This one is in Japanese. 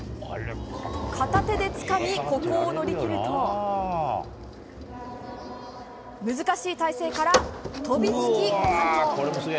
片手でつかみ、ここを乗り切ると難しい体勢から飛びつき、完登。